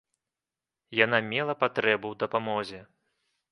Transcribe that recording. Яна мела патрэбу ў дапамозе.